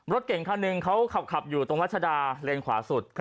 รถเก่งคันหนึ่งเขาขับอยู่ตรงรัชดาเลนขวาสุด